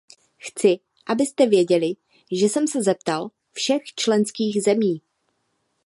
Chci, abyste věděli, že jsem se zeptal všech členských zemí.